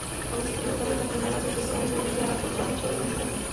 Así se creó tal vez la primera asociación guerrilla-narcotráfico del Continente.